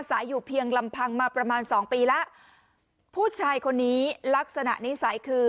อยู่เพียงลำพังมาประมาณสองปีแล้วผู้ชายคนนี้ลักษณะนิสัยคือ